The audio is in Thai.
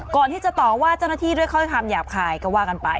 ก่อนที่จะต่อว่าเจ้าหน้าที่ด้วยถ้อยคำหยาบคายก็ว่ากันไป